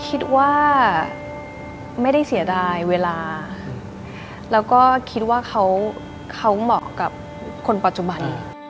คิดว่าไม่ได้เสียดายเวลาแล้วก็คิดว่าเขาเหมาะกับคนปัจจุบัน